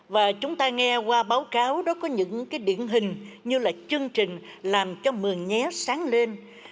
và chúng ta nghe qua báo cáo đó có những cái điển hình như là chương trình làm cho mường nhé sáng lên